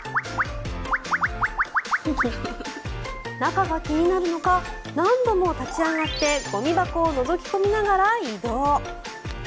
中が気になるのか何度も立ち上がってゴミ箱をのぞき込みながら移動。